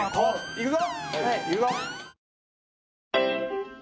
いくぞ。